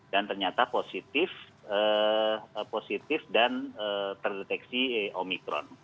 dan ternyata positif dan terdeteksi omikron